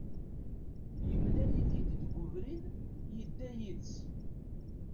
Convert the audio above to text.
Yemlal-it-id deg ubrid, yedda yid-s.